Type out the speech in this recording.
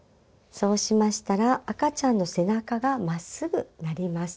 そうしましたら赤ちゃんの背中がまっすぐなります。